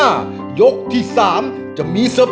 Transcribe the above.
ผ่านยกที่สองไปได้นะครับคุณโอ